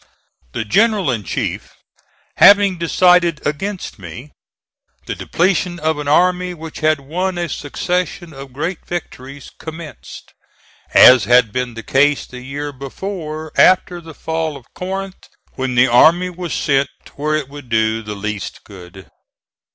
The General in chief having decided against me, the depletion of an army, which had won a succession of great victories, commenced, as had been the case the year before after the fall of Corinth when the army was sent where it would do the least good.